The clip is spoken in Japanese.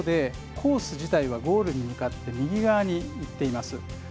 ただ一方で、コース自体はゴールに向かって右側にいっています。